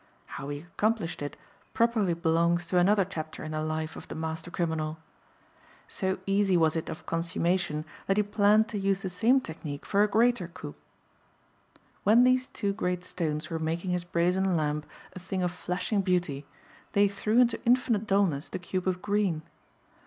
How he accomplished it properly belongs to another chapter in the life of the master criminal. So easy was it of consummation that he planned to use the same technique for a greater coup. When these two great stones were making his brazen lamp a thing of flashing beauty they threw into infinite dullness the cube of green.